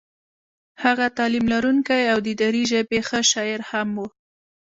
هغه تعلیم لرونکی او د دري ژبې ښه شاعر هم و.